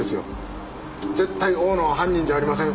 絶対大野は犯人じゃありません。